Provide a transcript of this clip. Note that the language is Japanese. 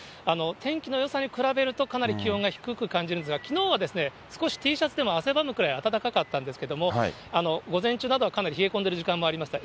天気のよさに比べると、かなり気温が低く感じるんですが、きのうは少しＴシャツでも汗ばむくらい暖かかったんですけれども、午前中などはかなり冷え込んでいる時間帯もありました。